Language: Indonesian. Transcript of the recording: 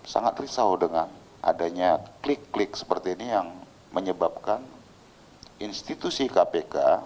sangat risau dengan adanya klik klik seperti ini yang menyebabkan institusi kpk